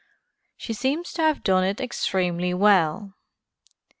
She seems to have done it extremely well.